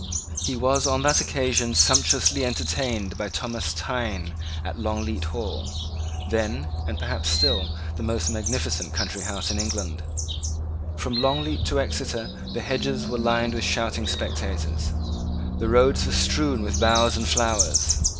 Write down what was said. He was on that occasion sumptuously entertained by Thomas Thynne at Longleat Hall, then, and perhaps still, the most magnificent country house in England. From Longleat to Exeter the hedges were lined with shouting spectators. The roads were strewn with boughs and flowers.